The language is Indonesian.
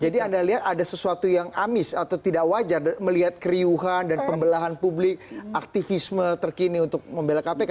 jadi anda lihat ada sesuatu yang amis atau tidak wajar melihat keriuhan dan pembelahan publik aktivisme terkini untuk membela kpk